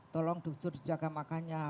tolong dokter jaga makannya